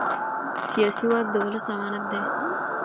سیاسي واک د ولس امانت دی